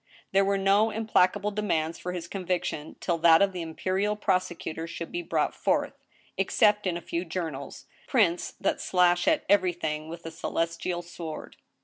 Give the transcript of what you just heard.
There were no implacable demands for his conviction (till that of the imperial prosecutor should be brought forth) except in a few journals, prints that slash at everything with a celestial sword.